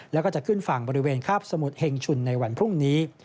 แล้วก็จะขึ้นฝั่งบริเวณคาบสมุทรเฮงชุนในวันพรุ่งนี้